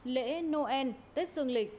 lễ noel tết sương lịch